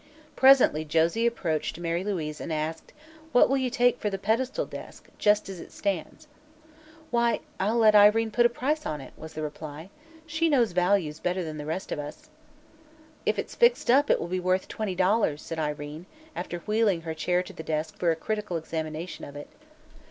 Presently Josie approached Mary Louise and asked: "What will you take for the pedestal desk just as it stands?" "Why, I'll let Irene put a price on it," was the reply. "She knows values better than the rest of us." "If it's fixed up, it will be worth twenty dollars," said Irene, after wheeling her chair to the desk for a critical examination of it.